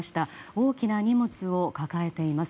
大きな荷物を抱えています。